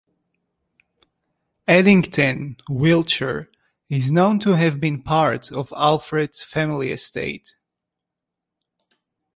Edington, Wiltshire, is known to have been part of Alfred's family estate.